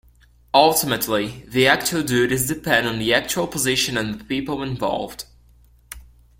Ultimately the actual duties depend on the actual position and the people involved.